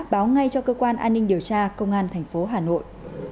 báo ngay cho cơ quan an ninh điều tra công an thành phố hà nội